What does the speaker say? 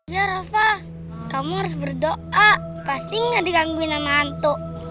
ya rafa kamu harus berdoa pasti nggak digangguin sama hantu